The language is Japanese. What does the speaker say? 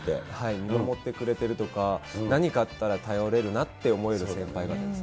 見守ってくれてるとか、何かあったら頼れるなって思える先輩方です。